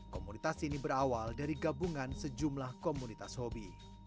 komunitas ini berawal dari gabungan sejumlah komunitas hobi